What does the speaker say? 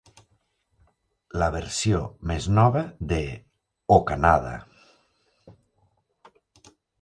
La versió més nova de O Canada!